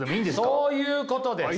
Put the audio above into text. そういうことです。